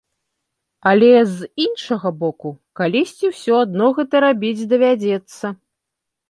Але, з іншага боку, калісьці ўсё адно гэта рабіць давядзецца.